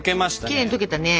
きれいに溶けたね。